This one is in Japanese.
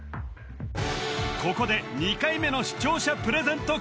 ここで２回目の視聴者プレゼント